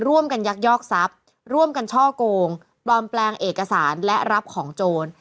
ยักยอกทรัพย์ร่วมกันช่อกงปลอมแปลงเอกสารและรับของโจร